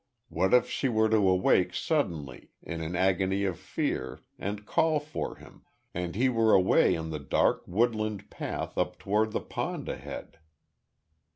What if she were to awake suddenly, in an agony of fear, and to call for him, and he were away in the dark woodland path up towards the pond head!